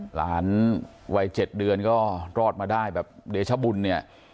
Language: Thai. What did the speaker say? หลานวัย๗เดือนก็รอดมาได้แบบเดชบุญเนี่ย